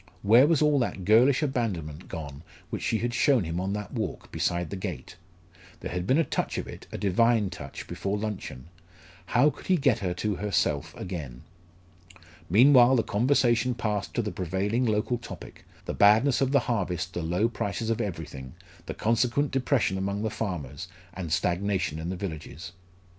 Where was all that girlish abandonment gone which she had shown him on that walk, beside the gate? There had been a touch of it, a divine touch, before luncheon. How could he get her to himself again? Meanwhile the conversation passed to the prevailing local topic the badness of the harvest, the low prices of everything, the consequent depression among the farmers, and stagnation in the villages.